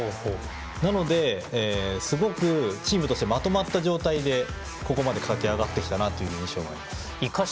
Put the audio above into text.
なので、すごくチームとしてまとまった状態でここまで駆け上がってきた印象です。